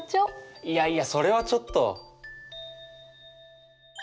いやいやそれはちょっと。